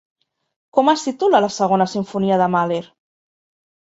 Com es titula la Segona Simfonia de Mahler?